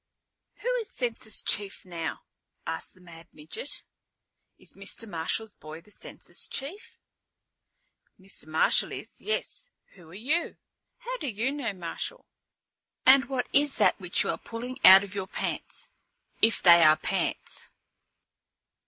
"Who is census chief now?" asked the mad midget. "Is Mr. Marshal's boy the census chief?" "Mr. Marshal is, yes. Who are you? How do you know Marshal? And what is that which you are pulling out of your pants, if they are pants?"